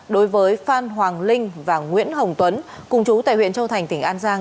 đối với phan hoàng linh và nguyễn hồng tuấn cùng chú tại huyện châu thành tỉnh an giang